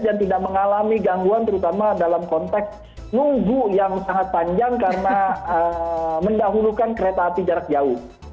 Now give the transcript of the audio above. dan tidak mengalami gangguan terutama dalam konteks nunggu yang sangat panjang karena mendahulukan kereta api jarak jauh